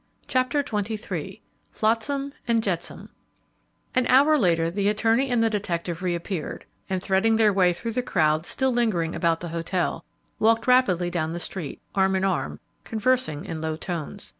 CHAPTER XXIII FLOTSAM AND JETSAM An hour later, the attorney and the detective reappeared, and, threading their way through the crowd still lingering about the hotel, walked rapidly down the street, arm in arm, conversing in low tones.